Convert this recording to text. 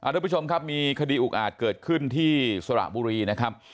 ทุกผู้ชมครับมีคดีอุกอาจเกิดขึ้นที่สระบุรีนะครับ